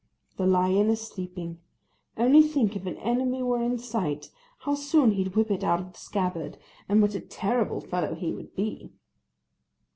The lion is sleeping: only think if an enemy were in sight, how soon he'd whip it out of the scabbard, and what a terrible fellow he would be!